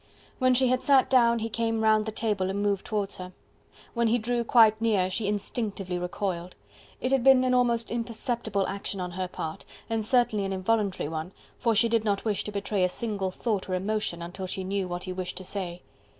When she had sat down he came round the table and moved towards her. When he drew quite near, she instinctively recoiled. It had been an almost imperceptible action on her part and certainly an involuntary one, for she did not wish to betray a single thought or emotion, until she knew what he wished to say.